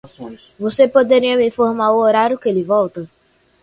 Você poderia me informar o horário que ele volta?